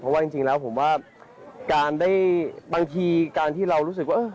เพราะว่าจริงแล้วผมว่าการได้บางทีการที่เรารู้สึกว่า